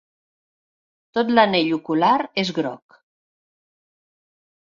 Tot l'anell ocular és groc.